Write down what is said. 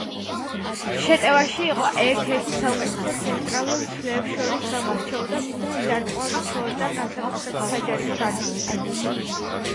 შეტევაში იყო ერთ-ერთი საუკეთესო ცენტრალურ მცველებს შორის, გამოირჩეოდა ზუსტი დარტყმებით შორიდან, განსაკუთრებით საჯარიმო დარტყმებით.